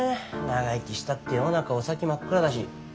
長生きしたって世の中お先真っ暗だし。